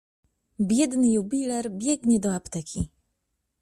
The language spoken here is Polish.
Biedny jubiler biegnie do apteki.